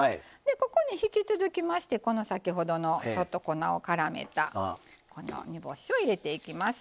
ここに引き続きましてこの先ほどの粉をからめた煮干しを入れていきます。